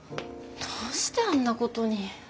どうしてあんなことに。